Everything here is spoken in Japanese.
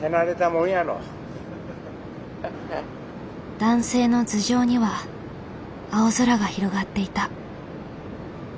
男性の頭上には青空が広がっていた。